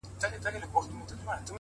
o ځي له وطنه خو په هر قدم و شاته ګوري،